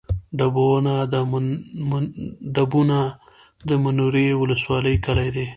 ډبونه د منورې ولسوالۍ کلی دی